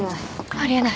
あり得ない。